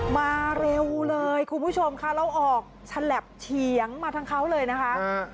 มาเร็วเลยคุณผู้ชมค่ะเราออกฉลับเฉียงมาทั้งเขาเลยนะคะ